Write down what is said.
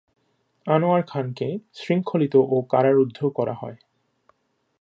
আনোয়ার খানকে শৃঙ্খলিত ও কারারুদ্ধ করা হয়।